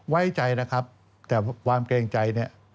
ไว้ใจนะครับแต่ความเกรงใจเนี่ย